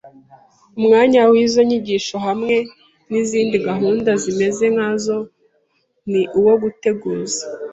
Umwanya w’izo nyigisho hamwe n’izindi gahunda zimeze nkazo ni uwo guteguza